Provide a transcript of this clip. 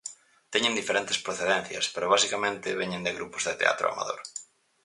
Teñen diferentes procedencias, pero basicamente veñen de grupos de teatro amador.